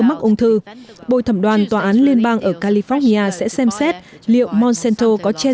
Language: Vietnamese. mắc ung thư bồi thẩm đoàn tòa án liên bang ở california sẽ xem xét liệu monsanto có che